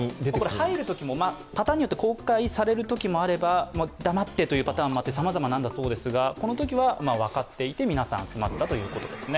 入るときもパターンによって公開されるときもあれば黙ってというパターンもあってさまざまなんだそうですがこのときは分かっていて、皆さん集まったということですね。